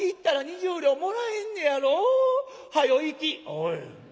「おい。